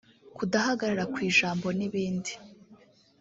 kudahagarara ku ijambo n’ibindi